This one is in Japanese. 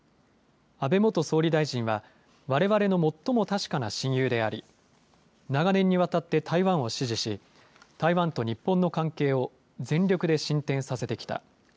安倍元総理大臣は、われわれの最も確かな親友であり、長年にわたって台湾を支持し、台湾と日本の関係を全力で進展させてきた。